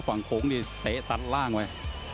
ฝั่งโขงที่เตะตัดล่างไว้